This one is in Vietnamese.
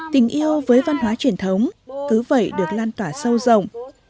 tình yêu với văn hóa truyền thống cứ vậy được lan tỏa sâu rộng